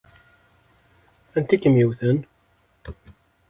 Anti i kem-yewwten?